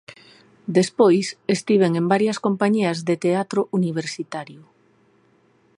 Despois, estiven en varias compañías de teatro universitario.